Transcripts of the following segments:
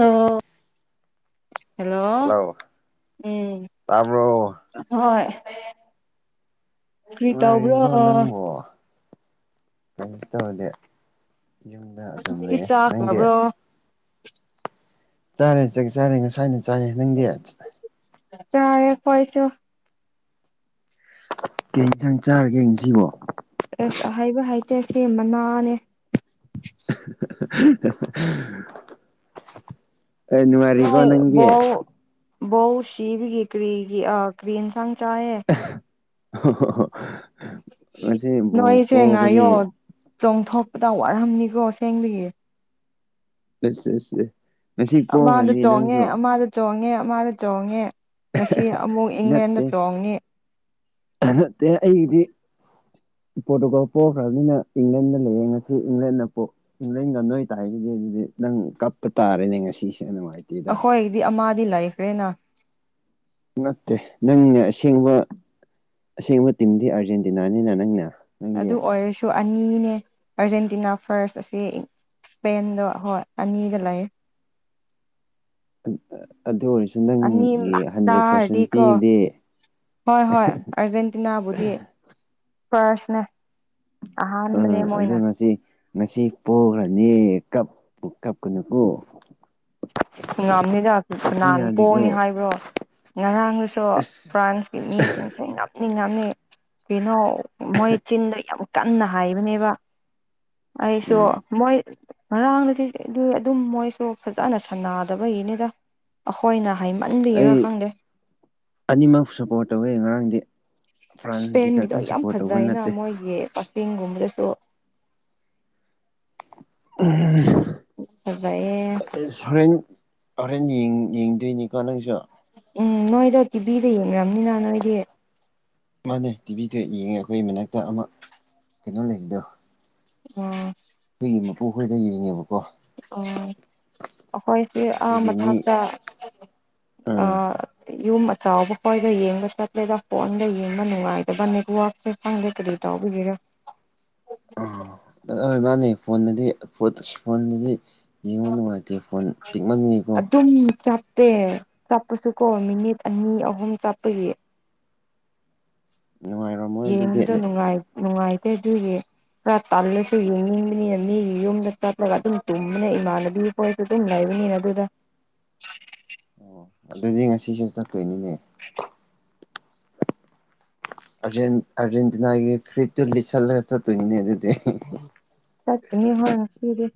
ꯑꯣ hello hello ꯎꯝ ꯇꯥꯕ꯭ꯔꯣ ꯍꯣꯏ ꯀꯔꯤ ꯇꯧꯕ꯭ꯔꯣ ꯅꯨꯡꯉꯥꯏꯔꯤꯕ꯭ꯔꯣ ꯅꯪꯕꯣ ꯀꯩꯅꯁ ꯇꯧꯔꯗꯤ ꯌꯨꯝꯗ ꯑꯗꯨꯝ ꯇꯤ ꯂꯩꯌꯦꯦ ꯅꯪꯗꯤ ꯆꯥꯈ꯭ꯔꯕ꯭ꯔꯣ ꯆꯥꯔꯦ ꯆꯒꯦ ꯆꯥꯔꯦ ꯉꯁꯋꯥꯥꯏꯅ ꯆꯥꯏꯔꯦ ꯅꯪꯗꯤ ꯆꯥꯦ ꯐꯣꯏꯁꯨ ꯀ ꯌꯦꯟꯁꯥꯡ ꯆꯥꯔꯒꯦ ꯉꯁꯤꯕꯣ ꯑꯦꯁ ꯑꯍꯥꯏꯕ ꯍꯥꯏꯇꯦ ꯁꯤ ꯃꯅꯥꯅꯦ ꯑꯩ ꯉꯔꯤꯀꯣ ꯅꯪꯗꯤ ꯕꯧ ꯁꯤꯕꯤꯒꯤ ꯀꯔꯤꯒꯤ ꯑꯥ ꯀ꯭ꯔꯤ ꯌꯦꯟꯁꯥꯡ ꯆꯥꯏꯌꯦ ꯑꯣ ꯅꯣꯏꯁꯦ ꯉꯥꯏꯌꯣ ꯆꯣꯡꯊꯣꯛꯄꯗ ꯋꯥꯔꯝꯅꯤꯀꯣ ꯁꯦꯡꯗꯨꯒꯤ ꯑꯦ ꯑꯦ ꯑꯃ ꯃꯥ ꯑꯗꯨ ꯆꯣꯡꯉꯦ ꯃꯥꯗ ꯆꯣꯡꯉꯦ ꯑꯃꯗ ꯆꯣꯡꯉꯦ ꯉꯁꯤ ꯑꯃꯨꯛ ꯏꯪꯂꯦꯟꯗ ꯆꯣꯡꯉ ꯠꯇꯦ ꯑꯩꯗꯤ ꯄꯣꯔꯇꯨꯒꯜ ꯄꯣꯛꯈ꯭ꯔꯕꯅꯤꯅ ꯏꯪꯂꯦꯟꯗ ꯂꯌꯦꯡ ꯉꯁꯤ ꯏꯪꯂꯦꯟꯗ ꯄꯣꯛ ꯏꯡꯂꯦꯟꯒ ꯅꯣꯏ ꯇ ꯍꯥꯏꯒꯤꯗꯤ ꯑꯗꯨꯗꯤ ꯅꯪ ꯀꯞꯄ ꯇꯥꯔꯦꯅꯦ ꯉꯁꯤꯁꯦ ꯅꯨꯡꯉꯥꯏꯇꯦ ꯑꯩꯈꯣꯏꯗꯤ ꯑꯃꯗꯤꯗꯤ ꯂꯩꯈ꯭ꯔꯦꯅ ꯅꯠꯇꯦ ꯅꯪꯅꯦ ꯑꯁꯦꯡꯕ ꯑꯁꯦꯡꯕ ꯇꯤꯝꯗꯤ ꯑꯥꯔꯖꯦꯟꯇꯤꯅꯥꯅꯤꯅ ꯅꯪꯅꯦ ꯑꯗꯨ ꯑꯣꯏꯁ ꯁ ꯑꯅꯤꯅꯦ ꯑꯥꯔꯖꯦꯟꯇꯤꯅꯥ ꯐꯥꯔꯁ ꯑꯁꯤ ꯏꯁꯄꯦꯟꯗ ꯍꯣꯏ ꯑꯅꯤꯗ ꯂꯩꯌꯦꯦ ꯑꯗꯨ ꯍꯣ ꯑꯅꯤꯇꯥꯔꯗꯤ ꯀ ꯍ ꯍ ꯑꯔꯖꯦꯟꯇꯤꯅꯥꯕꯨꯗꯤ ꯄꯔꯁꯅꯦ ꯑꯥ ꯑꯗꯨꯣ ꯉꯁꯤ ꯉꯁꯤ ꯄꯣꯈ꯭ꯔꯅꯤ ꯀꯞ ꯀꯞꯀꯅꯨꯀꯣ ꯉꯅꯤꯗ ꯀꯞꯄ ꯀꯅꯥꯅ ꯌꯥꯗꯦꯀꯣ ꯄꯣꯛꯑꯅꯤ ꯍꯥꯏꯕ꯭ꯔꯣ ꯉꯔꯥꯡꯗꯨꯁꯨ ꯑꯁ ꯐ꯭ꯔꯥꯟꯁ ꯃꯤꯁꯤꯡꯁꯦ ꯉꯝꯅꯤ ꯉꯝꯃꯤ ꯀꯩꯅꯣ ꯃꯣꯏ ꯆꯤꯟꯗꯣ ꯌꯥꯝ ꯀꯟꯅ ꯍꯥꯏꯕꯅꯦꯕ ꯑꯩꯁꯨ ꯎꯝ ꯃꯣꯏ ꯉꯔꯥꯡꯗꯗꯤ ꯑꯗꯨꯝ ꯃꯣꯏꯁꯨ ꯐꯖꯅ ꯁꯥꯟꯅꯗꯕꯒꯤꯅꯤꯗ ꯑꯩꯈꯣꯏꯅ ꯍꯥꯏꯃꯟꯕꯤꯔꯥ ꯑꯩ ꯈꯪꯗꯦ ꯑꯅꯤꯃꯛ ꯁꯄꯣꯔꯠ ꯇꯧꯋꯤ ꯉꯔꯥꯡꯗꯤ ꯐ꯭ꯔꯥꯟꯁꯀꯤ ꯏꯁꯄꯦꯟꯒꯤꯗꯣ ꯈꯛꯇꯪ ꯌꯥꯝ ꯁꯞꯄꯣꯔꯠ ꯇꯧꯕ ꯐꯖꯩꯅ ꯅꯠꯇꯦ ꯃꯣꯏꯒꯤ ꯀꯛꯆꯤꯡꯒꯨꯝꯕꯗꯁꯨ ꯑ ꯎꯠꯇꯔꯦꯌꯦ ꯑꯦꯁ ꯍꯣꯔꯦꯟ ꯍꯣꯔꯦꯟ ꯌꯦꯡꯗꯣꯏꯅꯤꯀꯣ ꯅꯪꯁꯨ ꯎꯝ ꯅꯣꯏꯗꯣ ꯇꯤꯕꯤꯗ ꯌꯦꯡꯅꯝꯅꯤꯅ ꯅꯣꯏꯗꯤ ꯃꯥꯅꯦ ꯇꯤꯚꯤꯗ ꯌꯦꯡꯉꯦ ꯑꯩꯈꯣꯏ ꯃꯅꯥꯛꯇ ꯑꯃ ꯀꯩꯅꯣ ꯂꯩꯕꯗꯣ ꯑꯣ ꯑꯩꯈꯣꯏꯒꯤ ꯃꯄꯨꯈꯣꯏꯗ ꯌꯦꯡꯉꯦꯕꯀꯣ ꯑꯣ ꯑꯩꯈꯣꯏꯁꯦ ꯑꯗꯨꯒꯤ ꯑꯍꯝꯕ ꯃꯤ ꯊꯥꯛꯛꯇ ꯑꯥ ꯌꯨꯝ ꯑꯆꯥꯎꯕ ꯈ꯭ꯣꯏꯒ ꯌꯦꯡꯕ ꯆꯠꯂꯦꯗ ꯐꯣꯟꯒ ꯌꯦꯡꯕ ꯅꯨꯡꯉꯥꯏꯗꯕ ꯅꯦꯠꯋꯔꯥꯛꯁꯦ ꯐꯪꯗꯦ ꯀꯔꯤ ꯇꯕꯤ ꯀꯔꯥ ꯑꯣꯏ ꯃꯥꯅꯦ ꯐꯣꯟꯗꯗꯤ ꯐꯣꯟꯗꯗꯤ ꯌꯦꯡꯉꯣ ꯅꯨꯡꯉꯥꯏꯇꯦ ꯐꯣꯟ ꯄꯤꯛꯃꯅꯤꯡꯉꯤꯀꯣ ꯑꯗꯨꯝ ꯆꯠ ꯇꯦ ꯆꯠꯄꯁꯨ ꯀꯣ ꯃꯤꯅꯤꯠ ꯑꯅꯤ ꯑꯍꯨꯝ ꯆꯞꯄꯒꯤ ꯅꯨꯡꯉꯥꯏꯔꯣꯝ ꯌꯦꯡꯕꯗꯣꯅꯨꯡ ꯅꯨꯡꯉꯥꯏꯇꯦ ꯑꯗꯨꯏꯒꯤ ꯈꯔ ꯄꯜꯂꯁꯨ ꯌꯦꯡꯅꯤꯡꯕꯅꯤ ꯃꯤ ꯌꯨꯝꯗ ꯆꯠꯂꯒ ꯑꯗꯨꯝ ꯇꯨꯝꯅ ꯏꯃꯥꯟꯅꯕꯤ ꯍꯣꯏꯁꯨ ꯑꯗꯨꯝ ꯂꯏꯕꯅꯤꯅ ꯑꯗꯨꯗ ꯑꯣ ꯑꯗꯨꯗꯤ ꯉꯁꯤꯁꯨ ꯆꯠꯇꯣꯏꯅꯤꯅꯦ ꯑꯔꯖꯦꯟ ꯑꯔꯖꯦꯟꯇꯤꯅꯥꯒꯤ ꯀ꯭ꯔꯔꯤ ꯇ ꯂꯤ ꯆꯂ ꯇꯣ ꯏꯅꯦ ꯑꯗꯨꯗꯗꯤ ꯆꯠꯅꯤ ꯍꯅ ꯁꯤꯗꯤ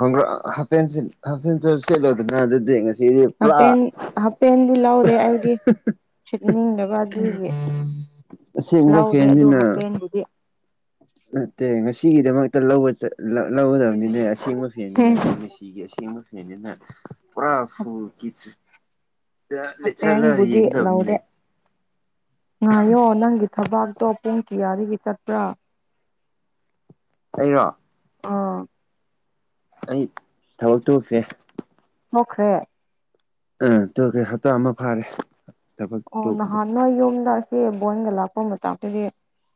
ꯍꯪ꯭ꯔ ꯍꯥꯦꯟ ꯍꯥꯦꯟꯁꯨ ꯁꯦꯠꯂꯣꯗꯅ ꯑꯗꯨꯗꯤ ꯉꯁꯤ ꯍꯥꯄꯦꯟ ꯍꯥꯞꯐꯦꯟꯦꯟꯕꯨ ꯂꯧꯥꯎꯔꯦ ꯑꯩꯗꯤ ꯁꯤꯠꯅꯤꯡꯉꯒ ꯑꯗꯨꯒꯤ ꯑꯁꯦꯡꯕ ꯂꯗꯦ ꯑꯗꯨ ꯐꯦꯟꯁꯤꯅ ꯍꯥꯄꯦꯟꯕꯨꯗꯤ ꯅꯠꯇꯦ ꯉꯁꯤꯒꯤꯗꯃꯛꯇ ꯂꯧꯒꯗꯕꯅꯤꯅꯦ ꯑꯁꯦꯡꯕ ꯐꯦꯟꯅꯤꯅ ꯈꯁꯦ ꯁꯤ ꯁꯤꯕ ꯐꯅꯤꯅ ꯄꯨꯔꯥ ꯐꯨꯜ ꯀꯆ ꯠꯠ ꯆꯠꯂ ꯍꯥꯄꯦꯟꯕꯨꯗꯤ ꯌꯦꯡꯗꯕꯅꯤꯅꯦ ꯂꯧꯗꯦ ꯉꯥꯏꯌꯣ ꯅꯪꯒꯤ ꯊꯕꯥꯛꯇꯣ ꯄꯨꯡ ꯀꯌꯥꯗꯒꯤ ꯆꯠꯄ꯭ꯔꯥ ꯑꯩꯔꯣ ꯑꯥ ꯑꯩ ꯊꯕ ꯇꯨꯁꯦ ꯃꯈ꯭ꯔꯦ ꯑ ꯇ ꯀꯩ ꯍꯞꯇꯥ ꯑꯃ ꯐꯥꯔꯦ ꯊꯕꯛ ꯑꯣ ꯇꯣꯛꯄꯗꯣ ꯅꯍꯥꯟ ꯅꯋꯥ ꯌꯨꯝꯝꯗ ꯁꯤ ꯕꯣꯟꯒ ꯂꯥꯛꯄ ꯃꯇꯥꯡꯗꯗꯤ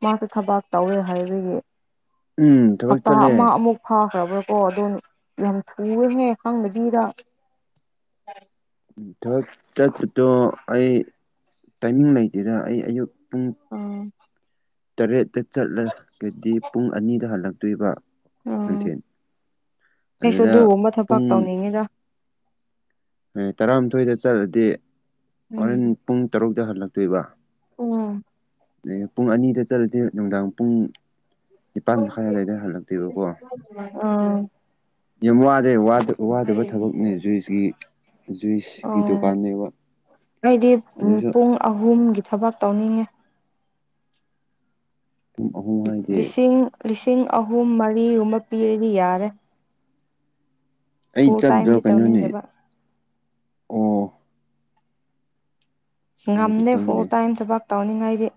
ꯃꯍꯥꯛꯇ ꯊꯕꯥꯛ ꯇꯧꯔꯦ ꯍꯥꯏꯕꯒꯤ ꯎꯝ ꯊꯕꯛ ꯑꯇꯥ ꯆꯠꯂꯦ ꯑꯃ ꯑꯃꯨꯛ ꯐꯥꯈ꯭ꯔꯕ꯭ꯔꯥꯀꯣ ꯑꯗꯨꯣ ꯌꯥꯝ ꯊꯨꯔꯍꯦ ꯍꯪꯕꯒꯤꯗ ꯊꯕꯛ ꯆꯠꯄꯗꯣ ꯑꯩ ꯇꯥꯏꯃꯤꯡ ꯂꯩꯇꯦꯗ ꯑꯩ ꯑꯌꯨꯛ ꯄꯨꯡ ꯎꯝ ꯇꯔꯦꯠꯇ ꯆꯠꯂꯒꯗꯤ ꯄꯨꯡ ꯑꯅꯤꯗ ꯍꯜꯂꯛꯇꯣꯏꯕ ꯑꯥ ꯅꯨꯡꯊꯜ ꯑꯩꯁꯨ ꯑꯗꯨꯗ ꯑꯗꯨꯒꯨꯝꯕ ꯊꯕꯛ ꯄꯨꯡ ꯇꯧꯅꯤꯡꯉꯤꯗ ꯍꯣꯏ ꯇꯔꯥꯃꯥꯊꯣꯏꯗ ꯆꯠꯂꯗꯤ ꯎꯝ ꯍꯣꯔꯦꯟ ꯄꯨꯡ ꯇꯔꯨꯛꯇ ꯍꯜꯂꯛꯇꯣꯏꯕ ꯎꯝ ꯑ ꯄꯨꯡ ꯑꯅꯤꯗ ꯆꯠꯂꯗꯤ ꯅꯨꯡꯗꯥꯡ ꯄꯨꯡ ꯅꯤꯄꯥꯟ ꯃꯈꯥꯏ ꯑꯋꯥꯏꯗ ꯍꯜꯂꯛꯇꯣꯏꯕꯀꯣ ꯑꯥ ꯌꯥꯝ ꯋꯥꯗꯦ ꯋꯥꯗ ꯋꯥꯗꯕ ꯊꯕꯛꯅꯦ ꯖꯨꯏꯁꯀꯤ ꯖꯨꯏꯁꯀꯤ ꯑꯣ ꯗꯨꯀꯥꯟꯅꯦꯕ ꯑꯩꯗꯤ ꯑꯗꯨꯁꯨ ꯄꯨꯡ ꯑꯍꯨꯝꯒꯤ ꯊꯕꯛ ꯇꯧꯅꯤꯡꯉꯤ ꯄꯨꯡ ꯑꯍꯨꯝ ꯍꯥꯏꯗꯤ ꯂꯤꯁꯤꯡ ꯂꯤꯁꯤꯡ ꯑꯍꯨꯝ ꯃꯔꯤꯒꯨꯝꯕ ꯄꯤꯔꯗꯤ ꯌꯥꯔꯦ ꯑꯩ ꯐꯨꯜ ꯆꯠꯇ꯭ꯔꯣ ꯇꯥꯏꯝꯗꯤ ꯀꯩꯅꯣꯅꯦ ꯇꯧꯅꯤꯡꯗꯕ ꯑꯣ ꯑꯗꯨꯗꯤ ꯉꯝꯗꯦ ꯐꯜ ꯈꯪꯗꯦ ꯇꯥꯏꯝ ꯊꯕꯛ ꯇꯧꯅꯤꯡꯉꯥꯏꯗꯤ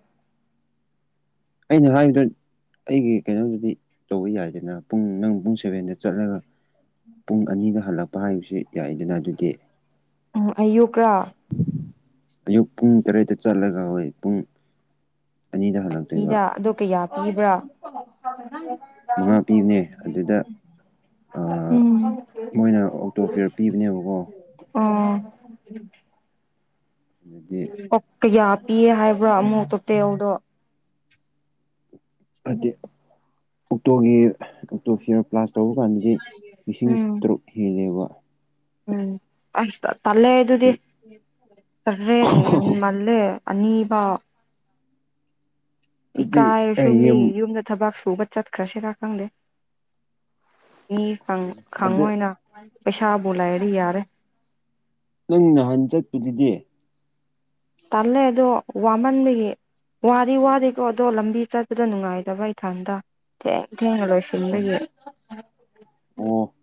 ꯑꯩꯅ ꯍꯥꯏꯗ ꯑꯩꯒꯤ ꯀꯩꯅꯣꯗꯨꯗꯤ ꯇꯧꯕ ꯌꯥꯏꯗꯅ ꯄꯨꯡ ꯅꯪ ꯄꯨꯡ ꯁꯦꯚꯦꯟꯗ ꯆꯠꯂꯒ ꯄꯨꯡ ꯑꯅꯤꯗ ꯍꯜꯂꯛꯄ ꯍꯥꯏꯕꯁꯨ ꯌꯥꯏꯗꯅ ꯑꯗꯨꯗꯤ ꯎꯝ ꯑꯌꯨꯛꯀ꯭ꯔꯥ ꯑꯌꯨꯛ ꯄꯨꯡ ꯇꯔꯦꯠꯇ ꯆꯠꯂꯒ ꯍꯣꯏ ꯄꯨꯡ ꯑꯅꯤꯗ ꯑꯗꯣ ꯀꯌꯥ ꯄꯤꯕ꯭ꯔꯥ ꯃꯉꯥ ꯄꯤꯕꯅꯦ ꯑꯗꯨꯗ ꯎꯝ ꯃꯣꯏꯅ ꯑꯣꯛꯇꯣ ꯐꯤꯌꯔ ꯄꯤꯕꯅꯦꯕꯀꯣ ꯑ ꯑꯗꯨꯗꯤ ꯑꯣꯛꯇ ꯀꯌꯥ ꯄꯤꯌꯦ ꯍꯥꯏꯕ꯭ꯔꯥ ꯑꯃꯨꯛ ꯇꯣꯇꯦꯜꯗꯣ ꯍꯥꯏꯗꯤ ꯑꯣꯛꯇꯣꯒꯤ ꯑꯣꯛꯇꯣ ꯐꯤꯌꯔ ꯀ꯭ꯂꯥꯁ ꯇꯧꯕ ꯀꯥꯟꯗꯗꯤ ꯂꯤꯁꯤꯡ ꯎꯝ ꯇꯔꯨꯛ ꯍꯦꯜꯂꯦꯕ ꯎꯝ ꯑꯁ ꯇꯜꯂꯦ ꯑꯗꯨꯗꯤ ꯑꯗꯨ ꯇꯔꯦꯠ ꯍꯦꯟꯃꯜꯂꯦ ꯑꯅꯤꯕꯥꯎ ꯑꯗꯨꯗꯤ ꯏꯀꯥꯏꯔꯁꯨ ꯑꯩ ꯌꯨꯝ ꯃꯤꯒꯤ ꯌꯨꯝꯗ ꯊꯕꯛ ꯁꯨꯕ ꯆꯠꯈ꯭ꯔꯁꯤꯔ ꯈꯪꯗꯦ ꯃꯤ ꯈꯪꯕ ꯑꯗ ꯑꯣꯢꯅ ꯄꯩꯁꯥꯕꯨ ꯂꯥꯏꯗꯤ ꯌꯥꯔꯦ ꯅꯪ ꯅꯍꯥꯟ ꯆꯠꯄꯗꯨꯗꯤ ꯇꯜꯂꯦ ꯑꯗꯣ ꯋꯥꯃꯟꯕꯒꯤ ꯋꯥꯗꯤ ꯋꯥꯗꯦꯀꯣ ꯑꯗꯣ ꯂꯝꯕꯤ ꯆꯠꯄꯗ ꯅꯨꯡꯉꯥꯏꯇꯕ ꯏꯊꯟꯗ ꯊꯦꯡ ꯊꯦꯡꯅ ꯂꯣꯏꯁꯤꯟꯕꯒꯤ ꯑꯣ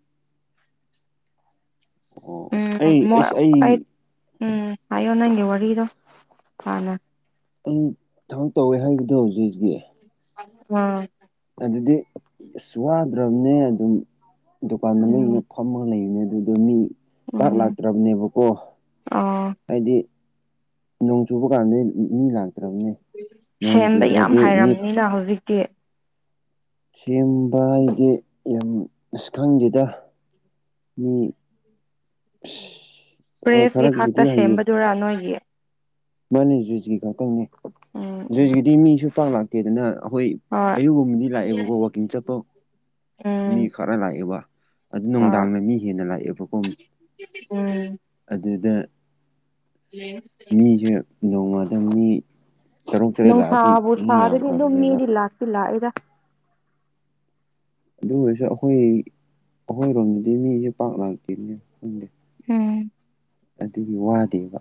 ꯑꯣ ꯎꯝ ꯑꯩ ꯃꯣꯢ ꯑꯩꯁ ꯑꯩ ꯎꯝ ꯍꯥꯏꯌꯣ ꯅꯪꯒꯤ ꯋꯥꯔꯤꯗꯣ ꯍꯥꯟꯅ ꯑꯩ ꯊꯕꯛ ꯇꯧꯋꯦ ꯍꯥꯏꯕꯗꯣ ꯍꯧꯖꯤꯛ ꯍꯧꯖꯤꯀꯤ ꯎꯝ ꯑꯗꯨꯗꯤ ꯑꯁ ꯋꯥꯗ꯭ꯔꯕꯅꯦ ꯑꯗꯨꯝ ꯗꯨꯀꯥꯟ ꯃꯅꯨꯡꯗ ꯎꯝ ꯐꯝꯃꯒ ꯂꯩꯕꯅꯦ ꯑꯗꯨ ꯑꯗꯨ ꯃꯤ ꯄꯥꯛ ꯎꯝ ꯂꯥꯛꯇ꯭ꯔꯕꯅꯦꯕꯀꯣ ꯑꯣ ꯍꯥꯏꯗꯤ ꯅꯣꯡ ꯆꯨꯕ ꯀꯥꯟꯗꯗꯤ ꯃꯤ ꯂꯥꯛꯇ꯭ꯔꯕꯅꯤ ꯅꯣꯡ ꯆꯨꯗ꯭ꯔꯗꯤ ꯃꯤ ꯅꯪ ꯍꯧꯖꯤꯛ [unintelligible] ꯁꯦꯝꯕ ꯍꯥꯏꯗꯤ ꯌꯥꯝ ꯑꯁ ꯈꯪꯗꯦꯗ ꯃꯤ ꯑꯁ [inaudible] ꯍꯣꯏ ꯄ꯭ꯔꯦꯁꯀꯤ ꯈꯔꯕꯨꯗꯤ ꯈꯛꯇ ꯍꯩꯌꯦ ꯁꯦꯝꯕꯗꯨꯔꯥ ꯅꯣꯏꯒꯤ ꯃꯥꯅꯦ ꯖꯨꯏꯁꯀꯤ ꯈꯛꯇꯪꯅꯦ ꯎꯝ ꯎꯝ ꯖꯨꯏꯁꯀꯤꯗꯤ ꯃꯤꯁꯨ ꯄꯥꯛ ꯂꯥꯛꯇꯦꯗꯅ ꯑꯈꯣꯏ ꯍꯣꯏ ꯑꯌꯨꯛꯒꯨꯝꯕꯗꯤ ꯂꯥꯛꯑꯦꯕꯀꯣ ꯋꯥꯛꯀꯤꯡ ꯆꯠꯄ ꯃꯤ ꯎꯝ ꯈꯔ ꯂꯥꯛꯑꯦꯕ ꯑꯗꯨ ꯍꯣꯏ ꯅꯨꯡꯗꯥꯡꯗ ꯃꯤ ꯍꯦꯟꯅ ꯂꯥꯛꯑꯦꯕꯀꯣ ꯎꯝ ꯑꯗꯨꯗ ꯃꯤꯁꯦ [unintelligible] ꯅꯣꯡꯃꯗ ꯃꯤ ꯇꯔꯨꯛ ꯇꯔꯦꯠ ꯂꯥꯛꯑꯗꯤ ꯅꯨꯡꯁꯥꯕꯨ ꯃꯤ ꯁꯥꯔꯗꯤ ꯑꯗꯨꯝ ꯌꯥꯝꯈ꯭ꯔꯕꯅꯦꯕ ꯃꯤꯗꯤ ꯂꯥꯛꯇꯤ ꯂꯥꯛꯢꯗ ꯑꯗꯨ ꯑꯣꯏꯔꯁꯨ ꯑꯩꯈꯣꯏ ꯑꯩꯈꯣꯏꯔꯣꯝꯗꯗꯤ ꯃꯤꯁꯦ ꯄꯥꯛ ꯂꯥꯛꯇꯦꯅꯦ ꯈꯪꯗꯦ ꯎꯝ ꯑꯗꯨꯒꯤ ꯋꯥꯗꯦꯕ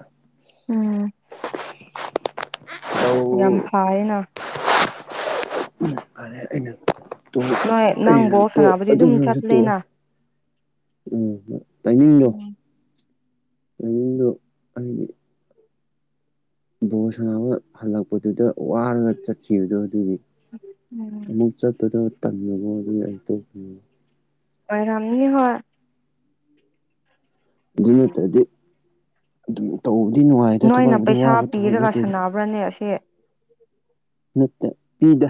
ꯎꯝ ꯌꯥꯝ ꯐꯥꯌꯦꯅ ꯎꯝ ꯐꯔꯦ ꯑꯩꯅ ꯇꯣꯛ ꯅꯣꯏ ꯅꯪ ꯑꯩꯅ ꯕꯣꯜ ꯇꯣꯛ ꯁꯥꯟꯅꯕꯗꯤ ꯑꯗꯨ ꯑꯗꯨꯝ ꯑꯣꯢꯔꯁꯨ ꯇꯣꯛꯑꯦ ꯆꯠꯂꯦꯅ ꯎꯝ ꯇꯥꯏꯃꯤꯡꯗꯣ ꯎꯝ ꯇꯥꯢꯃꯤꯡꯗꯣ ꯍꯥꯏꯗꯤ ꯕꯣꯜ ꯁꯥꯟꯅꯕ ꯍꯜꯂꯛꯄꯗꯨꯗ ꯋꯥꯔꯒ ꯆꯠꯈꯤꯕꯗꯣ ꯑꯗꯨꯒꯤ ꯎꯝ ꯑꯃꯨꯛ ꯆꯠꯄꯗꯣ ꯇꯜꯂꯕ ꯑꯗꯨꯒꯤ ꯑꯩ ꯇꯣꯛꯄꯅꯤ ꯑꯣꯢꯔꯝꯅꯤ ꯍꯣꯢ ꯑꯗꯨ ꯅꯠꯇ꯭ꯔꯗꯤ ꯑꯗꯨꯝ ꯇꯧꯕꯗꯤ ꯅꯨꯡꯉꯥꯏꯗ ꯊꯕꯛꯕꯨꯗꯤ ꯋꯥꯕ ꯊꯕꯛ ꯅꯠꯇꯦꯗ ꯈꯕ꯭ꯔꯅꯦ ꯑꯁꯦ ꯅꯠꯇꯦ ꯄꯤꯗꯦ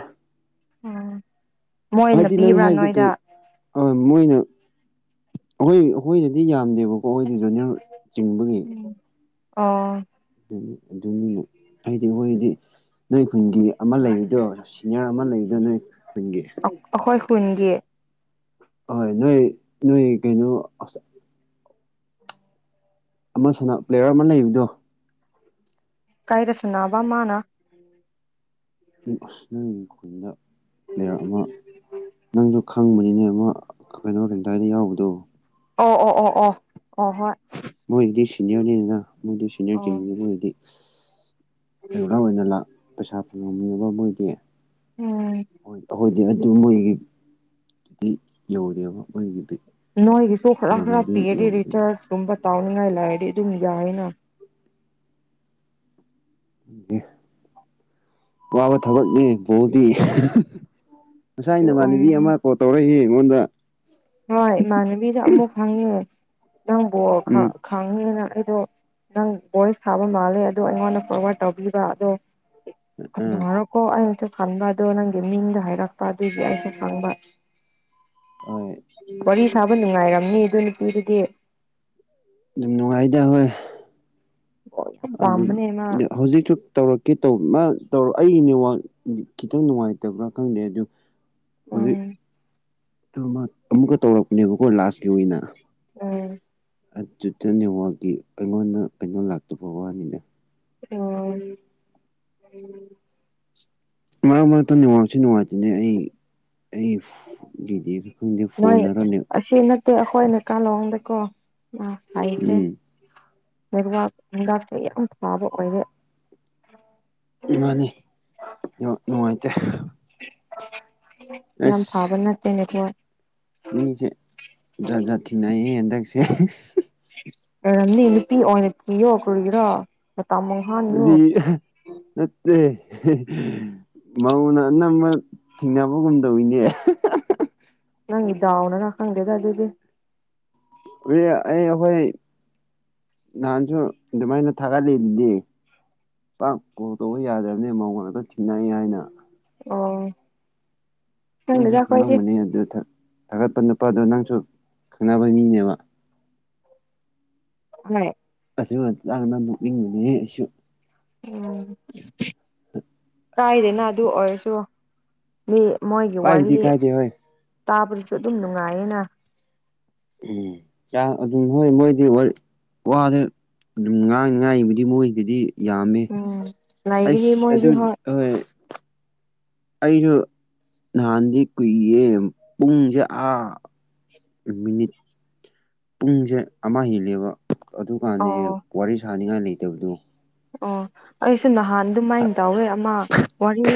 ꯎꯝ ꯃꯣꯏꯅ ꯄꯤꯕ꯭ꯔꯥ ꯅꯣꯏꯗ ꯑꯥ ꯃꯣꯏꯅ ꯑꯩꯈꯣꯏ ꯑꯩꯈꯣꯏꯗꯗꯤ ꯌꯥꯝꯗꯦꯕꯀꯣ ꯑꯩꯈꯣꯏꯗꯤ ꯖꯦꯅꯔꯦꯜ ꯆꯤꯡꯕꯒꯤ ꯑꯣ ꯑꯗꯨ ꯑꯗꯨꯅꯤꯅ ꯍꯥꯏꯗꯤ ꯑꯈꯣꯏꯗꯤ ꯅꯣꯏ ꯈꯨꯟꯒꯤ ꯑꯃ ꯂꯩꯕꯗꯣ ꯁꯤꯅꯤꯌꯥꯔ ꯑꯃ ꯂꯩꯕꯗꯣ ꯅꯣꯏ ꯀꯟꯒꯤ ꯑꯩꯈꯣꯏ ꯈꯨꯟꯒꯤ ꯍꯣꯏ ꯅꯣꯏ ꯅꯣꯏ ꯀꯩꯅꯣ ꯑꯁ ꯑꯃ ꯁꯅ ꯄ꯭ꯂꯦꯌꯔ ꯑꯃ ꯂꯩꯕꯗꯣ ꯀꯥꯏꯔꯁꯅꯥꯕ ꯃꯥꯅꯥ ꯑꯁ ꯅꯪꯒꯤ ꯈꯨꯟꯗ ꯄ꯭ꯂꯦꯌꯥꯔ ꯑꯃ ꯅꯪꯁꯨ ꯈꯪꯕꯅꯤꯅꯦ ꯑꯃ ꯀꯩꯅꯣꯔꯔꯤꯗꯥꯏꯗ ꯌꯥꯎꯕꯗꯣ ꯑꯣ ꯑꯣ ꯑꯣ ꯑꯣ ꯑꯣ ꯍꯣꯏ ꯃꯣꯏꯗꯤ ꯁꯤꯅꯤꯌꯔꯅꯤꯅꯤꯅ ꯃꯣꯏꯗꯤ ꯁꯤꯅꯤꯌꯔ ꯑꯣ ꯆꯤꯡꯕꯁ ꯃꯣꯏꯗꯤ ꯔꯤꯒꯨꯂꯔ ꯑꯣꯏꯅ ꯂ ꯄꯩꯁꯥ ꯐꯪꯉꯝꯃꯤꯕ ꯎꯝ ꯃꯣꯏꯗꯤꯣꯏ ꯗꯤ ꯑꯗꯨ ꯃꯣꯏꯒꯤꯗꯤ ꯌꯧꯔꯦꯕ ꯃꯣꯏꯒꯤꯗꯤ ꯅꯣꯏꯒꯤꯁꯨ ꯈꯔ ꯈꯔ ꯂꯦꯚꯦꯜꯗꯤ ꯄꯤꯔꯗꯤ ꯌꯧꯗꯦ ꯔꯤꯆꯥꯔꯖ ꯀꯨꯝꯕ ꯇꯥꯎꯅꯤꯡꯉꯥꯏ ꯂꯥꯛꯑꯗꯤ ꯑꯗꯨꯝ ꯌꯥꯏꯅ ꯋꯥꯕ ꯊꯕꯛꯅꯦ ꯄꯣꯗꯤ ꯉꯁꯥꯏ ꯑꯗꯨ ꯅꯃꯥꯟꯅꯕꯤ ꯑꯣꯏꯔꯁꯨ ꯑꯃ ꯀꯣꯜ ꯇꯧꯔꯛꯏꯁ ꯑꯩꯉꯣꯟꯗ ꯍꯣꯏ ꯏꯃꯥꯟꯅꯕꯤꯗ ꯑꯃꯨꯛ ꯈꯪꯉꯦ ꯅꯪꯕꯨ ꯎꯝ ꯈꯪꯉꯦꯅ ꯑꯩꯗꯣ ꯅꯪ ꯕꯣꯏꯁ ꯁꯥꯕ ꯃꯥꯜꯂꯦ ꯑꯗꯣ ꯑꯩꯉꯣꯟꯗ ꯐꯣꯔꯋꯥꯔꯗ ꯇꯧꯕꯤꯕ ꯑꯗꯣ ꯈꯟ ꯑꯥ ꯍꯥꯏꯔꯣꯀꯣ ꯑꯩꯅꯁꯨ ꯈꯟꯕ ꯑꯗꯣ ꯅꯪꯒꯤ ꯃꯤꯡꯗꯣ ꯍꯥꯏꯔꯛꯄ ꯑꯗꯨꯏꯗꯤ ꯑꯩꯁꯨ ꯈꯪꯕ ꯍꯣꯏ ꯋꯥꯔꯤ ꯁꯥꯕ ꯅꯨꯡꯉꯥꯏꯔꯝꯅꯤ ꯑꯗꯨ ꯅꯨꯄꯤꯗꯨꯗꯤ ꯑꯗꯨꯝ ꯅꯨꯡꯉꯥꯏꯗ ꯍꯣꯏ ꯑꯣ ꯌꯥꯝ ꯑꯗꯨ ꯄꯥꯝꯕꯅꯦ ꯃꯥ ꯍꯧꯖꯤꯛꯁꯨ ꯇꯧꯔꯛꯀꯦ ꯇꯧꯕ ꯃꯥ ꯇꯧꯔ ꯑꯩꯒꯤꯅꯦ ꯈꯤꯇꯪ ꯅꯨꯡꯉꯥꯏꯇꯕ꯭ꯔꯥ ꯈꯪꯗꯦ ꯑꯗꯨ ꯍꯧꯖꯤꯛ ꯎꯝ ꯑꯃꯨꯛꯀ ꯇꯧꯔꯛꯄꯅꯦꯕꯀꯣ ꯂꯥꯁꯀꯤ ꯑꯣꯏꯅ ꯎꯝ ꯇ꯭ꯋꯇꯔ ꯅꯦꯠꯋꯥꯛꯀꯤ ꯑꯩꯉꯣꯟꯗ ꯀꯩꯅꯣ ꯂꯥꯛꯇꯕ ꯋꯥꯅꯤꯅꯦ ꯎꯝ ꯃꯥ ꯃꯥ ꯇ ꯅꯨꯡꯉꯡꯁꯨ ꯅꯨꯡꯉꯥꯏꯇꯦ ꯁꯤꯅꯦ ꯑꯩ ꯑꯩ ꯗꯤꯗꯤꯒ ꯈꯪꯗꯦ ꯐꯣꯟꯅꯔꯅꯦ ꯁꯤ ꯅꯠꯇꯦ ꯑꯩꯈꯣꯏ ꯑꯅ ꯀꯥꯂꯣꯡꯗꯀꯣ ꯁꯈ꯭ꯔꯦ ꯎꯝ ꯂꯩꯕꯥꯛ ꯍꯗꯥꯛꯁꯦ ꯌꯥꯝ ꯊꯥꯕ ꯑꯣꯏꯔꯦ ꯉꯥꯅꯤ ꯅꯨꯡꯉꯥꯏꯇꯦ ꯌꯥꯝ ꯑꯁ ꯐꯥꯕꯅꯠꯇꯅꯦꯣ ꯃꯤꯁꯦ ꯖꯥꯠ ꯖꯥꯠ ꯊꯦꯡꯅꯩꯌꯦ ꯍꯟꯗꯛꯁꯦ ꯏ ꯅꯨꯄꯤꯤꯣꯅ ꯄꯤꯣ ꯀꯔꯒꯔꯣ ꯇꯃ ꯍꯥ ꯅꯠꯇꯦ ꯃꯧꯅ ꯅꯝꯕ ꯊꯤꯡꯅꯕ ꯉꯨꯝꯗꯧꯤꯅꯦ ꯅꯪ ꯏꯗꯥꯎꯅꯅ ꯈꯪꯒꯦꯗ ꯑꯗꯨꯗꯤ ꯑꯩ ꯑꯩꯈꯣꯏ ꯅꯍꯥꯟꯁꯨ ꯑꯗꯨꯃꯥꯏꯅ ꯊꯥꯒꯠꯂꯤꯗꯨꯗꯤ ꯄꯥꯛ ꯀꯣꯜ ꯇꯧꯕ ꯌꯥꯗ꯭ꯔꯕꯅꯤ ꯃꯉꯣꯟ ꯑꯗꯨ ꯊꯦꯡꯅꯏ ꯍꯥꯏꯅ ꯑꯣ ꯅꯪꯁꯨ ꯈꯪꯗꯦꯗ ꯑꯩꯈꯣꯏꯗꯤ ꯈꯪꯉꯝꯒꯅꯤ ꯑꯗꯨ ꯊꯥꯒꯠꯄ ꯅꯨꯄꯥꯗꯣ ꯅꯪꯁꯨ ꯈꯪꯅꯕ ꯃꯤꯅꯦꯕ ꯃ ꯑꯗꯨꯥꯡꯅ ꯅꯣꯛꯅꯤꯡꯕꯅꯦ ꯑꯩꯁꯨ ꯎꯝ ꯀꯥꯏꯗꯅ ꯑꯗꯨ ꯑꯣꯏꯔꯁꯨ ꯃꯣꯏꯒꯤ ꯀꯥꯏꯕꯨꯗꯤ ꯋꯥꯔꯤ ꯀꯥꯏꯗꯦ ꯍꯣꯏ ꯇꯥꯕꯗꯁꯨ ꯑꯗꯨꯝ ꯅꯨꯡꯉꯥꯏꯌꯦꯅ ꯎꯝ ꯑꯗꯨꯝ ꯍꯣꯏ ꯃꯣꯏꯗꯤ ꯋꯥꯗ ꯑꯗꯨꯝ ꯉꯥꯡ ꯉꯥꯏꯕꯨꯗꯤ ꯃꯣꯏꯗꯗꯤ ꯌꯥꯝꯃꯦ ꯎꯝ ꯂꯩꯒꯅꯤ ꯑꯩꯁ ꯃꯣꯏꯗꯤ ꯑꯗꯨꯗꯤ ꯍꯣꯏ ꯑꯩꯁꯨ ꯅꯍꯥꯟꯗꯤ ꯀꯨꯏꯌꯦ ꯄꯨꯡꯁꯦ ꯑꯥ ꯃꯤꯅꯤꯠ ꯄꯨꯡꯁꯦ ꯑꯃ ꯍꯦꯜꯂꯦꯕ ꯑꯗꯨꯀꯥꯟꯗ ꯑꯣ ꯋꯥꯔꯤ ꯁꯥꯅꯤꯡꯉꯥꯏ ꯂꯩꯇꯕꯗꯣ ꯑꯣ ꯑꯩꯁꯨ ꯅꯍꯥꯟ ꯑꯥ ꯑꯗꯨꯃꯥꯏꯅ ꯇꯧꯋꯦ ꯑꯃ ꯋꯥꯔꯤ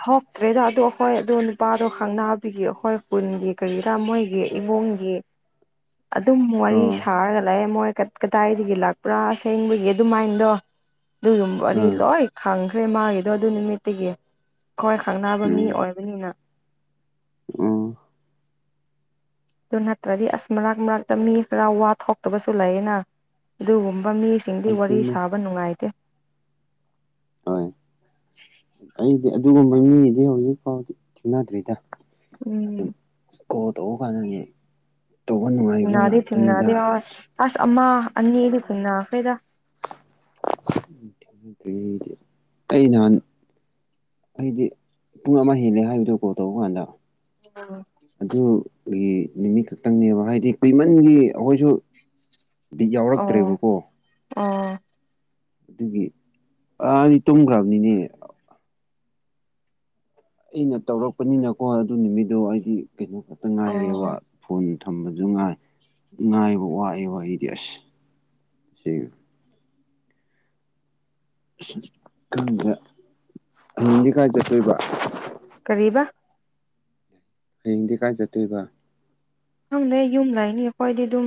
ꯊꯣꯛꯇ꯭ꯔꯦꯗ ꯑꯗꯣ ꯑꯩꯈꯣꯏ ꯑꯗꯣ ꯅꯨꯄꯥꯗꯣ ꯈꯪꯅꯕꯤꯒꯤ ꯑꯩꯈꯣꯏ ꯈꯨꯜꯒꯤ ꯀꯔꯤꯗ ꯃꯣꯏꯒꯤ ꯏꯃꯨꯡꯒꯤ [unintelligible] ꯑꯗꯨꯝ ꯋꯥꯔꯤ ꯑꯥ ꯁꯥꯔꯒ ꯂꯥꯛꯑꯦ ꯃꯣꯏ ꯀꯗꯥꯏꯗꯒꯤ ꯂꯥꯛꯄ꯭ꯔꯥ ꯁꯦꯡꯕꯒꯤ ꯑꯗꯨꯃꯥꯏꯅ ꯑꯗꯣ ꯑꯗꯨꯗꯨ ꯋꯥꯔꯤ ꯑꯥ ꯂꯣꯏ ꯈꯪꯈ꯭ꯔꯦ ꯃꯥꯒꯤꯗꯣ ꯑꯗꯨ ꯅꯨꯃꯤꯠꯇꯒꯤ ꯑꯩꯈꯣꯏ ꯈꯪꯅꯕ ꯃꯤ ꯎꯝ ꯑꯣꯏꯕꯅꯤꯅ ꯎꯝ ꯑꯗꯨ ꯅꯠꯇ꯭ꯔꯗꯤ ꯑꯁ ꯃꯔꯛ ꯃꯔꯛꯇ ꯃꯤ ꯈꯔ ꯋꯥ ꯊꯣꯛꯣꯛꯇꯕꯁꯨ ꯂꯩꯌꯦꯅ ꯑꯗꯨꯒꯨꯝꯕ ꯃꯤ ꯁꯤꯡꯗꯤ ꯋꯥꯔꯤ ꯑꯗꯨꯅꯦ ꯁꯥꯕ ꯅꯨꯡꯉꯥꯏꯇꯦ ꯍꯣꯏ ꯑꯩꯗꯤ ꯑꯗꯨꯒꯨꯝꯕ ꯃꯤꯗꯤ ꯍꯧꯖꯤꯛ ꯐꯥꯎꯗꯤ ꯊꯦꯡꯅꯗ꯭ꯔꯤꯗ ꯑꯗꯨꯝ ꯎꯝ ꯀꯣꯜ ꯇꯧꯕ ꯀꯥꯟꯗ ꯇꯧꯕ ꯅꯨꯡꯉꯥꯏꯕ ꯊꯅꯥꯗꯤ ꯉꯥꯛꯇꯅꯤꯗ ꯊꯤꯅꯥꯗ ꯑ ꯑꯁ ꯑꯝꯃꯥ ꯑꯅꯤꯗꯤ ꯊꯤꯅꯥ ꯑꯈꯦ ꯊꯦꯡꯅ꯭ꯔꯤ ꯑꯩ ꯅꯍꯥꯟ ꯑꯩꯗꯤ ꯄꯨꯡ ꯑꯃ ꯍꯦꯜꯂꯦ ꯍꯥꯏꯕꯗꯣ ꯀꯣꯜ ꯇꯧꯕ ꯀꯥꯟꯗ ꯎ ꯑꯗꯨꯒꯤ ꯅꯨꯃꯤꯠ ꯈꯛꯇꯪꯅꯦꯕ ꯍꯥꯏꯗꯤ ꯀꯃꯟꯒꯤ ꯑꯩꯈꯣꯏꯁꯨ ꯕꯤꯠ ꯌꯥꯎꯔꯛꯇ꯭ꯔꯦꯕꯀꯣ ꯑꯥ ꯑꯗꯨꯒꯤ ꯑꯅꯤ ꯇꯨꯝꯈ꯭ꯔꯕꯅꯤꯅꯦ ꯑꯩꯅ ꯇꯧꯔꯛꯄꯅꯤꯅꯀꯣ ꯑꯗꯨ ꯅꯨꯃꯤꯠꯇꯣ ꯑꯩꯗꯤ ꯀꯩꯅꯣ ꯈꯛꯇ ꯉꯥꯏꯔꯦꯕ ꯑꯣ ꯐꯣꯟ ꯊꯝꯕꯁꯨ ꯉꯥꯏ ꯉꯥꯏꯕ ꯋꯥꯏꯕ ꯑꯩꯗꯤ ꯑꯁ ꯁꯤ ꯍꯌꯦꯤꯡꯗꯤ ꯀꯥꯏ ꯆꯠꯇꯣꯏꯕ ꯀꯔꯤꯕꯥ ꯍꯌꯦꯡꯗꯤ ꯀꯥꯏ ꯆꯠꯇꯣꯏꯕ ꯈꯪꯗꯦ ꯌꯨꯝ ꯂꯩꯥꯛꯅꯤ ꯑꯩꯣꯏꯗꯤ ꯑꯗꯨꯝ